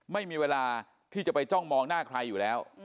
ไม่มีเวลาที่จะไปจ้องมองหน้าใครอยู่แล้ว